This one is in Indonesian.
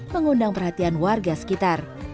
mengundang perhatian warga sekitar